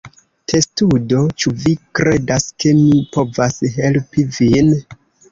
Testudo: "Ĉu vi kredas ke mi povas helpi vin?"